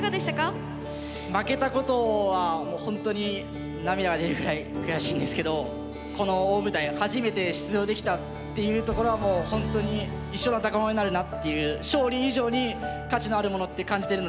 負けたことはほんとに涙が出るぐらい悔しいんですけどこの大舞台初めて出場できたっていうところはもうほんとに一生の宝物になるなっていう勝利以上に価値のあるものって感じてるので